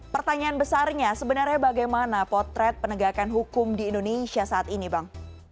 pertanyaan besarnya sebenarnya bagaimana potret penegakan hukum di indonesia saat ini bang